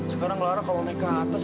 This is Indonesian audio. sekarang kalau lara naik ke atas